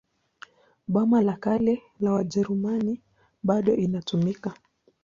Boma la Kale la Wajerumani bado inatumika.